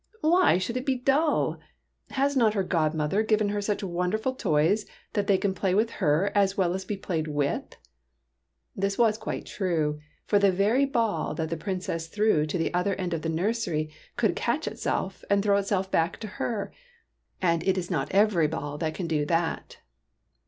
'' Why should it be dull ? Has not her godmother given her such wonderful toys that they can play with her as well as be played with ?" This was quite true, for the very ball that the Princess threw to the other end of the nursery could catch itself and throw itself back to her ; and it is not every ball that can do that.